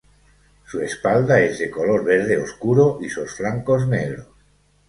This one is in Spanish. Su espalda es de color verde oscuro y sus flancos negros.